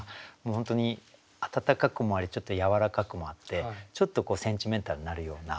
本当に温かくもありちょっとやわらかくもあってちょっとセンチメンタルになるような。